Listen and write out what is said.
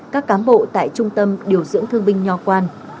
các cán bộ tại trung tâm điều dưỡng thương binh nho quan